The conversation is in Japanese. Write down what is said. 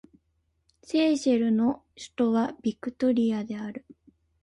セーシェルの首都はビクトリアである